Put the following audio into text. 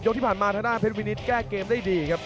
ยกที่ผ่านมาทางหน้าเพศวินิสแก้งเกมได้เลยครับ